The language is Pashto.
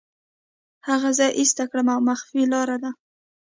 هغه زه ایسته کوم او مخفي لاره ده